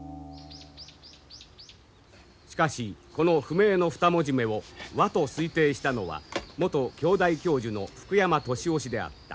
しかしこの不明の２文字目を「和」と推定したのは元京大教授の福山敏男氏であった。